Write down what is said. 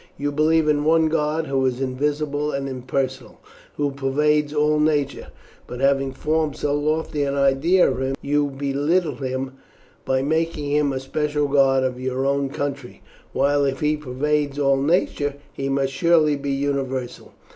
You believe in one God, who is invisible and impersonal, who pervades all nature; but having formed so lofty an idea of him, you belittle him by making him a special god of your own country, while if he pervades all nature he must surely be universal.